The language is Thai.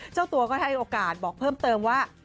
เจ้าตัวก็ให้โอกาสบอกเพิ่มเติมว่า